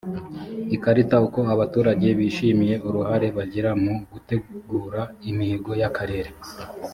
ikarita uko abaturage bishimiye uruhare bagira mu gutegura imihigo y akarere